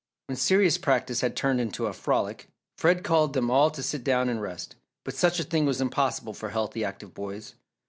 When serious practice had turned into a frolic, Fred called them all to sit down and rest, but such a thing was impossible for healthy active boys.